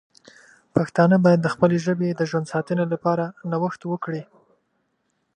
پښتانه باید د خپلې ژبې د ژوند ساتنې لپاره نوښت وکړي.